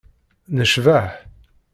Necbeḥ.